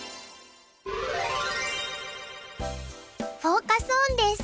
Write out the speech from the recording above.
フォーカス・オンです。